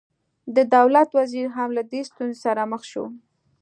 د دولت وزیر هم له دې ستونزې سره مخ شو.